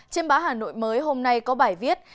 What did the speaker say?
trên báo hà nội mới hôm nay có bài viết